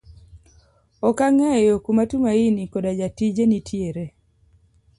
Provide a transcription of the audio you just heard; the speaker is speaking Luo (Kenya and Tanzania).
okang'eyo kuma Tumaini koda jatije nitiere.